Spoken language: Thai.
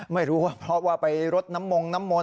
ไม่รู้ว่าเพราะว่าไปรดน้ำมงน้ำมนต